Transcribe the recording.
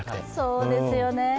そうですよね。